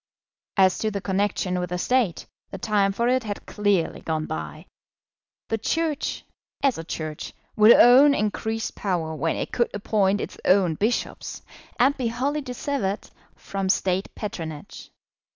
As to the connection with the State, the time for it had clearly gone by. The Church, as a Church, would own increased power when it could appoint its own bishops, and be wholly dissevered from State patronage.